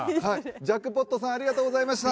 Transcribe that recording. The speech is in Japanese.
ジャックポットさんありがとうございました。